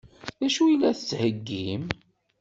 D acu i la d-tettheggim?